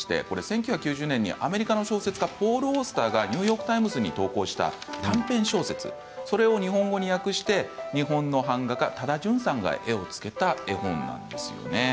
１９９０年にアメリカの小説家ポール・オースターがニューヨーク・タイムズに投稿した短編小説を日本語に訳して日本の版画家タダジュンさんが絵をつけた絵本なんです。